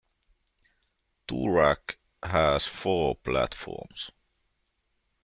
Toorak has four platforms.